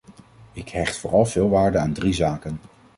Ik hecht vooral veel waarde aan drie zaken.